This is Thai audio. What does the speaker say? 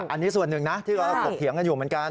อันนี้ส่วนหนึ่งนะที่เราถกเถียงกันอยู่เหมือนกัน